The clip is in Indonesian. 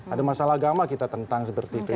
ada masalah agama kita tentang seperti itu